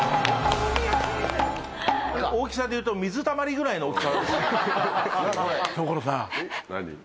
大きさでいうと、水たまりぐらいの大きさですね。